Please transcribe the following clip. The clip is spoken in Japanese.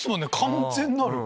完全なる。